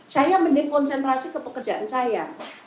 saya mending konsentrasi ke pekerjaan saya